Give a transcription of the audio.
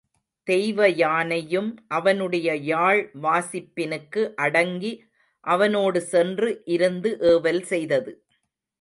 தெய்வ யானையும் அவனுடைய யாழ் வாசிப்பினுக்கு அடங்கி அவனோடு சென்று இருந்து ஏவல் செய்தது.